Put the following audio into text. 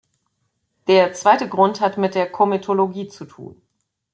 Der zweite Grund hat mit der Komitologie zu tun.